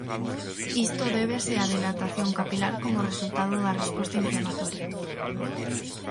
Isto débese á dilatación capilar como resultado da resposta inflamatoria.